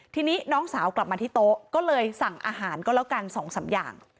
ทีนี้น้องสาวกลับมาที่โต๊ะก็เลยสั่งอาหารก็แล้วกัน๒๓อย่าง